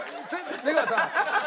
出川さん。